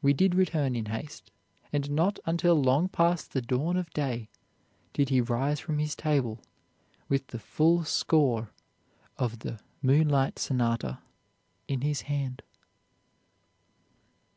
We did return in haste, and not until long past the dawn of day did he rise from his table with the full score of the Moonlight Sonata in his hand."